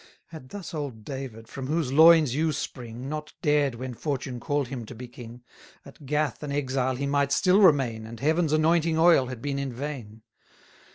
Had thus old David, from whose loins you spring, Not dared when fortune called him to be king, At Gath an exile he might still remain, And Heaven's anointing oil had been in vain.